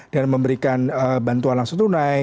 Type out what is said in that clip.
dan memberikan bantuan langsung tunai